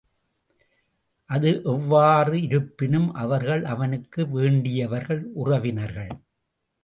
அது எவ்வாறிருப்பினும், அவர்கள் அவனுக்கு வேண்டியவர்கள், உறவினர்கள்.